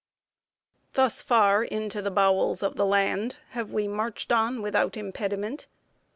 Thus far into the bowels of the land Have we marched on without impediment.